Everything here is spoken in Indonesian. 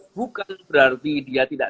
bukan berarti dia tidak